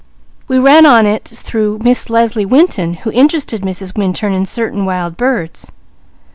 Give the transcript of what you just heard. We ran on it through Miss Leslie Winton, who interested Mrs. Minturn in certain wild birds."